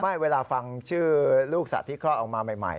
เวลาฟังชื่อลูกสัตว์ที่คลอดออกมาใหม่